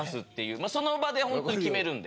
その場でホントに決めるんで。